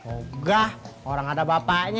enggak orang ada bapaknya